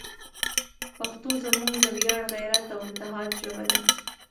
پښتو زموږ د ویاړ، غیرت، او اتحاد ژبه ده.